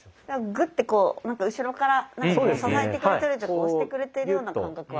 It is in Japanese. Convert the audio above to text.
グッてこうなんか後ろから支えてくれてるというか押してくれてるような感覚はありますね。